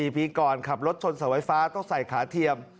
ปีก่อนขับรถชนเสาไฟฟ้าต้องใส่ขาเทียม